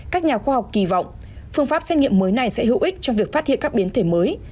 các nhà khoa học kỳ vọng phương pháp xét nghiệm mới này sẽ hữu ích trong việc phát hiện các biến thể mới